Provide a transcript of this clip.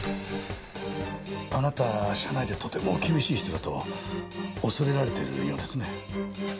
あなたは社内でとても厳しい人だと恐れられているようですね。